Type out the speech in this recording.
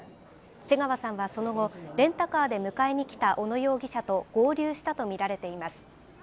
瀬川さんはその後、レンタカーで迎えに来た小野容疑者と合流したと見られています。